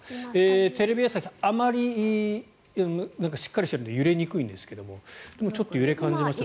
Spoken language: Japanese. テレビ朝日しっかりしているので揺れにくいんですがでも、ちょっと揺れを感じましたね。